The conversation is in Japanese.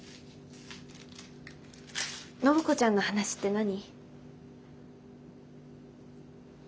暢子ちゃんの話って何？